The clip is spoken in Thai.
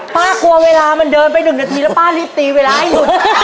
กลัวเวลามันเดินไป๑นาทีแล้วป้ารีบตีเวลาให้หยุด